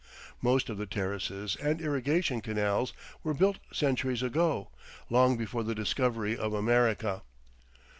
Most of the terraces and irrigation canals were built centuries ago, long before the discovery of America.